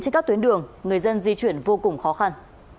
trên các tuyến đường người dân di chuyển vô cùng khó khăn